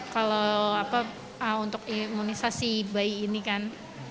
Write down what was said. kalau untuk imunisasi bayi ini kan